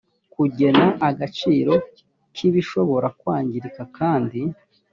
kugena agaciro k ibishobora kwangirika kandi